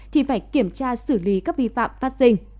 thì phải kiểm tra xử lý các vi phạm phát sinh